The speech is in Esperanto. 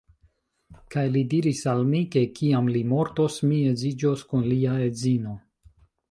Kaj li diris al mi, ke kiam li mortos, mi edziĝos kun lia edzino.